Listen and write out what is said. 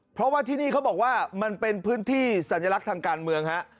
เพราะว่าที่นี่เขาบอกว่ามันเป็นพื้นที่สัญลักษณ์ทางการเมืองฮะ